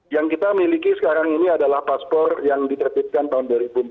yang kita miliki sekarang ini adalah paspor yang diterbitkan tahun dua ribu empat belas